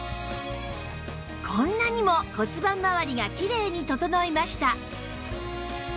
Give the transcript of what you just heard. こんなにも骨盤まわりがきれいに整いました